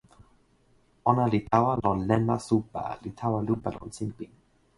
ona li tawa lon len ma supa li tawa lupa lon sinpin.